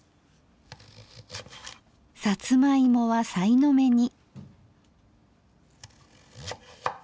さつま芋はさいの目に。